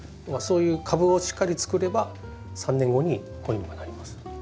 そういう株をしっかり作れば３年後にこういうのがなります。